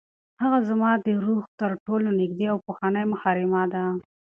هغه زما د روح تر ټولو نږدې او پخوانۍ محرمه ده.